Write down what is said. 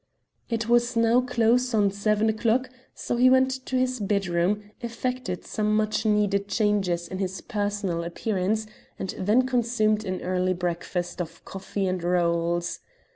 It was now close on seven o'clock, so he went to his bedroom, effected some much needed changes in his personal appearance, and then consumed an early breakfast of coffee and rolls.